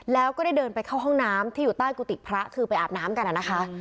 แล้วก็ได้เดินไปเข้าห้องน้ำที่อยู่ใต้กุฏิพระคือไปอาบน้ำกันนะคะ